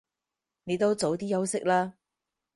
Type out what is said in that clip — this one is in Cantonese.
你都早啲休息啦